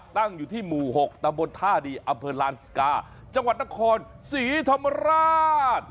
ตั้งอยู่ที่หมู่๖ตำบลท่าดีอำเภอลานสกาจังหวัดนครศรีธรรมราช